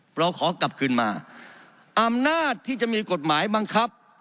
เราขอกลับคืนมาอำนาจที่จะมีกฎหมายบังคับ